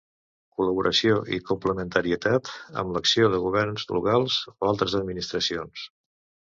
Col·laboració i complementarietat amb l'acció de governs locals o altres administracions.